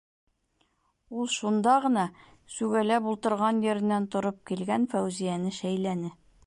- Ул шунда ғына сүгәләп ултырған еренән тороп килгән Фәүзиәне шәйләне.